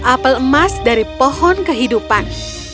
apel emas dari pohon kehidupan